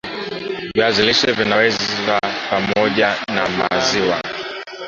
viazi lishe Vinaweza pamoja na maziwa